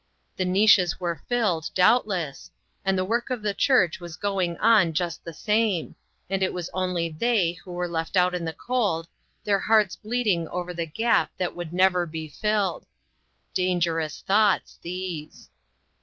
The niches were filled, doubtless, and the work of the church was going on just the same, and it was only the}' who were left out in the cold, their hearts bleeding over a gap that would never be filled. Dangerous thoughts, these